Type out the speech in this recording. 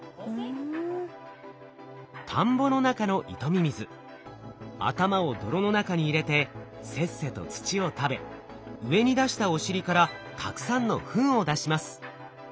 田んぼの中のイトミミズ頭を泥の中に入れてせっせと土を食べ上に出したお尻からたくさんのフンを出します。